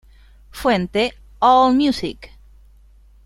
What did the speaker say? Fuente: Allmusic